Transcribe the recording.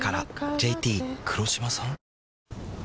ＪＴ黒島さん？